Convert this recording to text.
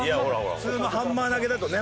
普通のハンマー投げだとね